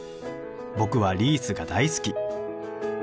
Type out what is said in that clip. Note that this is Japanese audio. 僕はリースが大好き。